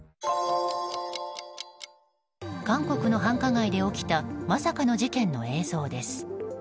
韓国の繁華街で起きたまさかの事件の映像です。